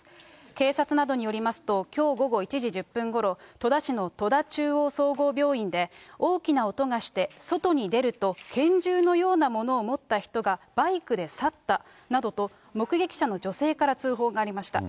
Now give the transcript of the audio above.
警察などによりますと、きょう午後１時１０分ごろ、戸田市の戸田中央総合病院で、大きな音がして外に出ると拳銃のようなものを持った人がバイクで去ったなどと、目撃者の女性から通報がありました。